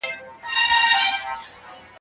يار دي وي، د بل ديار دي وي.